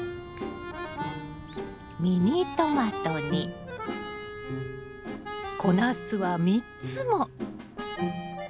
ミニトマトに小ナスは３つも！